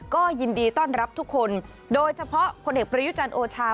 ก็ยินดีต้อนรับทุกคนโดยเฉพาะพลเอกประยุจันทร์โอชา